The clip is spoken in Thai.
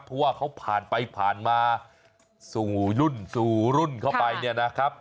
เพราะว่าเขาผ่านไปผ่านมาสู่รุ่นสู่รุ่นเข้าไปเนี่ยนะครับ